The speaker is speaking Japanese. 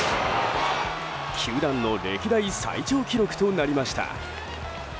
球団の歴代最長記録となりました。